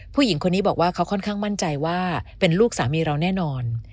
ผู้หญิงคนนี้บอกว่าเขาค่อนข้างมั่นใจว่าเป็นลูกสามีเราแน่นอน